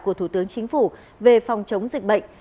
của thủ tướng chính phủ về phòng chống dịch bệnh